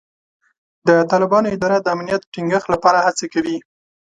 د طالبانو اداره د امنیت ټینګښت لپاره هڅې کوي.